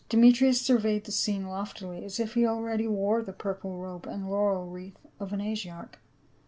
Demetrius surveyed the scene loftily as if he already wore the purple robe and laurel wreath of an Asiarch.